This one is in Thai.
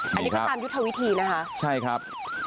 อันนี้ก็ตามยุทธวิธีนะคะใช่ครับ